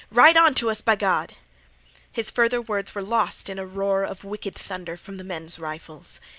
Right onto us, b'Gawd!" His further words were lost in a roar of wicked thunder from the men's rifles.